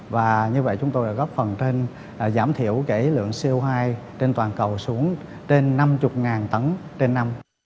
và như vậy chúng tôi đã góp phần trên giảm thiểu lượng co hai trên toàn cầu xuống trên năm mươi tấn trên năm